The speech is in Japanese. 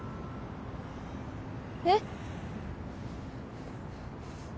えっ？